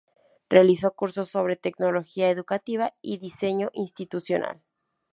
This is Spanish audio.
Realizó cursos sobre tecnología educativa y diseño institucional.